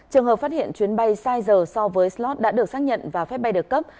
trường hợp phát hiện chuyến bay sai giờ so với slot đã được xác nhận và phép bay được cấp